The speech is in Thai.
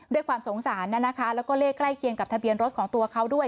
ด้วยความสงสารนะคะแล้วก็เลขใกล้เคียงกับทะเบียนรถของตัวเขาด้วย